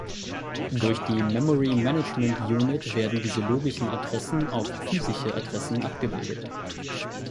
Durch die Memory Management Unit werden diese logischen Adressen auf physische Adressen abgebildet.